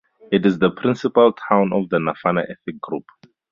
It is the principal town of the Nafana ethnic group.